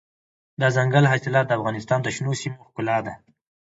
دځنګل حاصلات د افغانستان د شنو سیمو ښکلا ده.